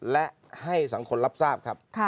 และให้สังคมรับทราบครับ